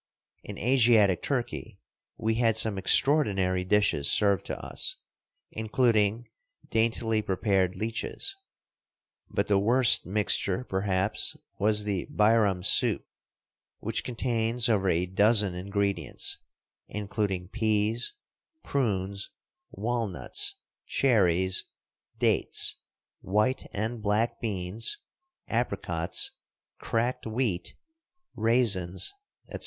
In Asiatic Turkey we had some extraordinary dishes served to us, including daintily prepared leeches. But the worst mixture, perhaps, was the "Bairam soup," which contains over a dozen ingredients, including peas, prunes, walnuts, cherries, dates, white and black beans, apricots, cracked wheat, raisins, etc.